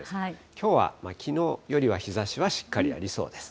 きょうはきのうよりは日ざしはしっかりありそうです。